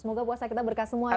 semoga puasa kita berkah semua ya